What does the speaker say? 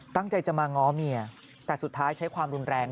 ตั้งใจจะมาง้อเมียแต่สุดท้ายใช้ความรุนแรง